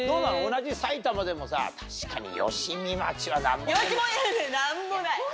同じ埼玉でもさ確かに吉見町は何もない。